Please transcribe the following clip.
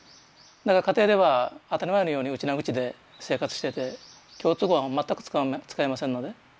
だから家庭では当たり前のようにウチナーグチで生活してて共通語は全く使いませんので。